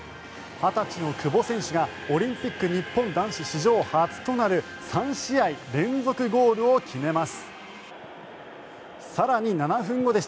２０歳の久保選手がオリンピック日本男子史上初となる３試合連続ゴールを決めます。